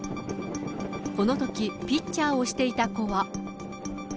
このとき、ピッチャーをしていた子は。